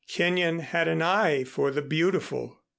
Kenyon had an eye for the beautiful.